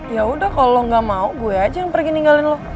ya udah kalau gak mau gue aja yang pergi ninggalin lo